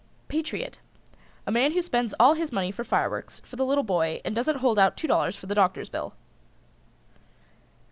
PATRIOT. A man who spends all his money for fireworks for the little boy and doesn't hold out $2 for the doctor's bill.